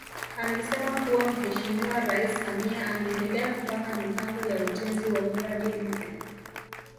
Amesema kuwa Mheshimiwa Rais Samia ameendelea kupanga mipango ya ujenzi wa miradi mipya